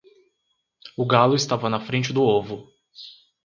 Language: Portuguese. O galo estava na frente do ovo.